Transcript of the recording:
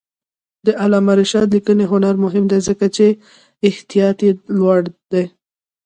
د علامه رشاد لیکنی هنر مهم دی ځکه چې احتیاط یې لوړ دی.